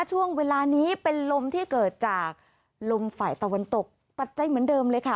ช่วงเวลานี้เป็นลมที่เกิดจากลมฝ่ายตะวันตกปัจจัยเหมือนเดิมเลยค่ะ